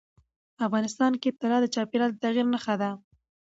افغانستان کې طلا د چاپېریال د تغیر نښه ده.